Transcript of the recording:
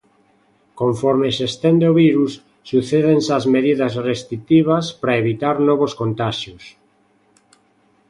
Conforme se estende o virus, sucédense as medidas restritivas para evitar novos contaxios.